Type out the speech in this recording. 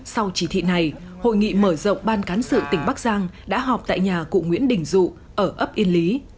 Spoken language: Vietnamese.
sau chỉ thị này hội nghị mở rộng ban cán sự tỉnh bắc giang đã họp tại nhà cụ nguyễn đình dụ ở ấp yên lý